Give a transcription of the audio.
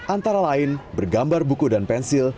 antara lain bergambar buku dan pensil